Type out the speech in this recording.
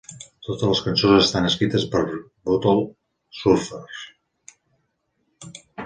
Totes les cançons estan escrites pels Butthole Surfers.